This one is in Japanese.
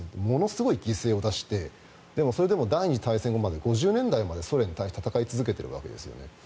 ものすごい犠牲を出してでもそれでも第２次大戦後まで５０年代までソ連と戦い続けているわけです。